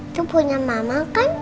itu punya mama kan